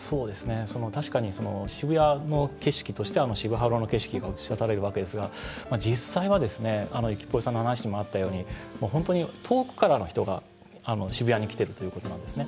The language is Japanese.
確かに渋谷の景色としてあの渋ハロの景色が映し出されるわけですが実際はですね、ゆきぽよさんの話にもあったように本当に遠くからの人が渋谷に来てるということなんですね。